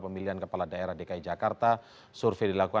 ini tidak substansi kita harus terlebih dahulu